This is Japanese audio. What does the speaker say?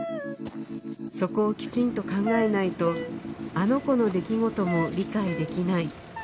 そこをきちんと考えないと「あの子」の出来事も理解できない